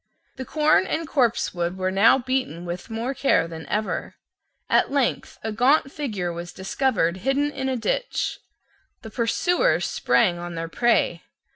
The corn and copsewood were now beaten with more care than ever. At length a gaunt figure was discovered hidden in a ditch. The pursuers sprang on their prey.